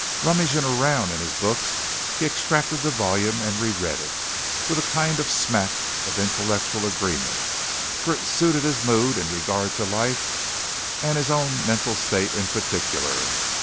Rummaging around in his books he extracted the volume and reread it, with a kind of smack of intellectual agreement, for it suited his mood in regard to life and his own mental state in particular.